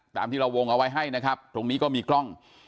ตามที่เราวงเอาไว้ให้นะครับตรงนี้ก็มีกล้อง